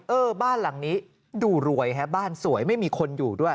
เออบ้านหลังนี้ดูรวยฮะบ้านสวยไม่มีคนอยู่ด้วย